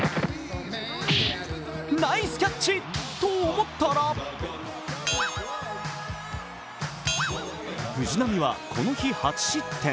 ナイスキャッチと思ったら藤浪はこの日８失点。